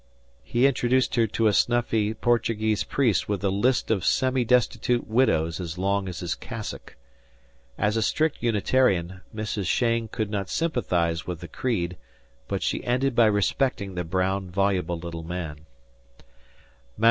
He introduced her to a snuffy Portuguese priest with a list of semi destitute widows as long as his cassock. As a strict Unitarian, Mrs. Cheyne could not sympathize with the creed, but she ended by respecting the brown, voluble little man.